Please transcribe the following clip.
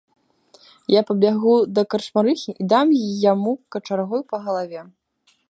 Я пабягу да карчмарыхі і дам яму качаргой па галаве!